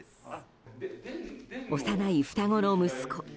幼い双子の息子。